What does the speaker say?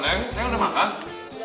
neng udah makan